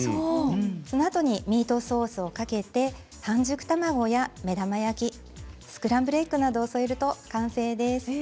そのあとにミートソースをかけて半熟卵や目玉焼きスクランブルエッグなどを添えると完成です。